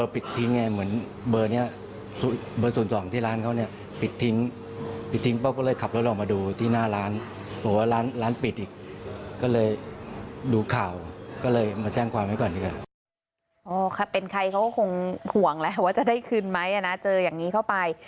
เป็นใครเขาก็คงห่วงแหละว่าจะได้คืนไหมนะเจออย่างนี้เข้าไป